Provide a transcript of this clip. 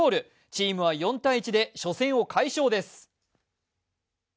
チームは４−１で初戦を快勝です。